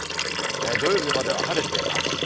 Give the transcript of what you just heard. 土曜日までは晴れて暑い。